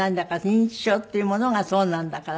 認知症っていうものがそうなんだから。